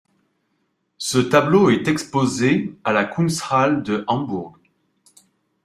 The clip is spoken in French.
Ce tableau est exposé à la Kunsthalle de Hambourg.